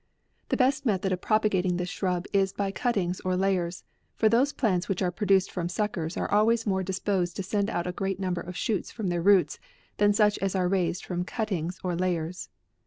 The best method of propagating this shrub is by cuttings or layers ; for those plants which are produced from suckers are always more disposed to send out a great number of shoots from their roots, than such as are rai sed from cuttings or layers.